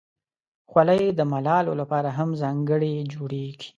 خولۍ د ملالو لپاره هم ځانګړې جوړیږي.